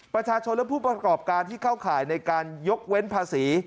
ประชาชนและผู้ประกอบการที่เข้าข่ายในการยกเว้นภาษี